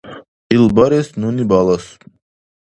Ил барес нуни балас.